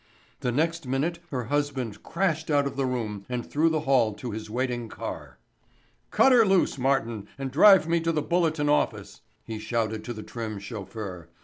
The next minute her husband crashed out of the room and through the hall to his waiting car. "Cut her loose, Martin, and drive me to the Bulletin office," he shouted to the trim chauffeur.